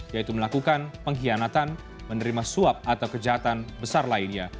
yaitu melakukan pengkhianatan menerima suap atau kejahatan besar lainnya